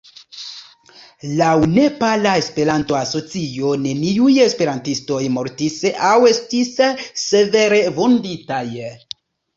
Laŭ Nepala Esperanto-Asocio neniuj esperantistoj mortis aŭ estis severe vunditaj.